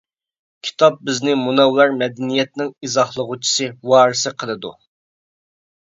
كىتاب بىزنى مۇنەۋۋەر مەدەنىيەتنىڭ ئىزاھلىغۇچىسى، ۋارىسى قىلىدۇ.